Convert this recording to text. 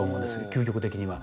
究極的には。